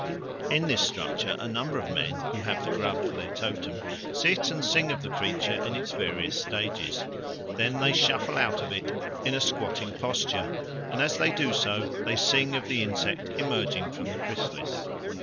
In this structure a number of men, who have the grub for their totem, sit and sing of the creature in its various stages. Then they shuffle out of it in a squatting posture, and as they do so they sing of the insect emerging from the chrysalis.